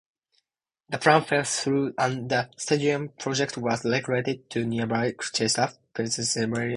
The plan fell through and the stadium project was relocated to nearby Chester, Pennsylvania.